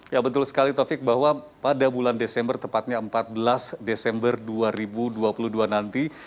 ya betul sekali taufik bahwa pada bulan desember tepatnya empat belas desember dua ribu dua puluh dua nanti